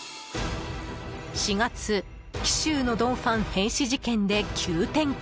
４月紀州のドン・ファン変死事件で急展開。